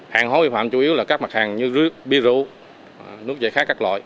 hàng hóa biên phạm chủ yếu là các mặt hàng như rước bia rượu nước dạy khác các loại